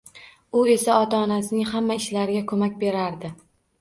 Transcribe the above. U esa ota-onasining hamma ishlariga ko`mak berardi